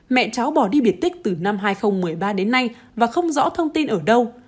mẹ cháu bỏ đi biệt tích từ năm hai nghìn một mươi ba đến nay và không rõ thông tin ở đâu